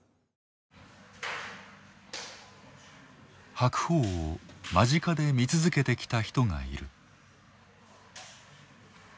白鵬を間近で見続けてきた人がいる。